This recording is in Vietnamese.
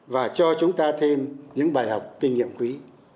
và cho chúng ta thêm những bài học kinh nghiệm quý